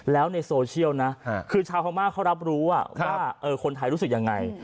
แล้วในโซเชียลนะคือชาวพม่าเขารับรู้ว่าคนไทยรู้สึกยังไง